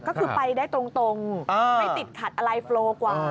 ก็คือไปได้ตรงไม่ติดขัดอะไรโปรกว่า